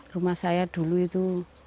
rumah saya dulu itu